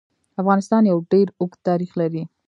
افغانستان يو ډير اوږد تاريخ لري.